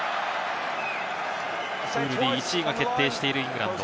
プールＤ１位が決定しているイングランド。